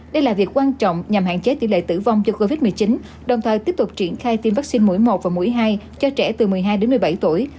đây là việc quan trọng nhằm hạn chế tỷ lệ tử vong do covid một mươi chín đồng thời tiếp tục triển khai tiêm vaccine mũi một và mũi hai cho trẻ từ một mươi hai đến một mươi bảy tuổi